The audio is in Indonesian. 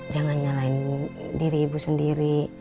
jangan nyalain diri ibu sendiri